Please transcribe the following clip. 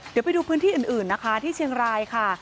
เดี๋ยวไปดูพื้นที่อื่นนะคะที่เชียงรายค่ะ